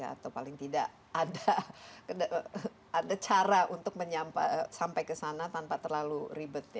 atau paling tidak ada cara untuk sampai kesana tanpa terlalu ribet ya